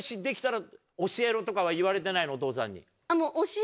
お父さんに。